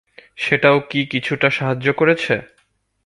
সেটাও কি কিছুটা সাহায্য করেছে?